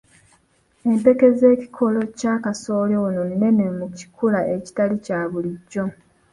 Empeke z'ekikolo kya kasooli ono nene mu kikula ekitali kya bulijjo.